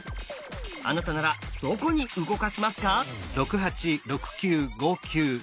あなたならどこに動かしますか？